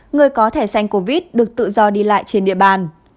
người có thẻ xanh covid được tự do đi lại trên địa bàn